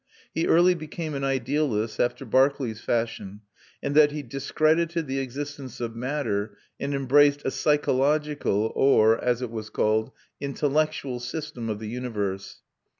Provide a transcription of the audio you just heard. He early became an idealist after Berkeley's fashion, in that he discredited the existence of matter and embraced a psychological or (as it was called) intellectual system of the universe.